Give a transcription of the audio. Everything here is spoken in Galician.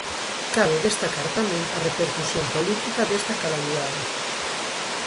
Cabe destacar tamén a repercusión política desta calamidade.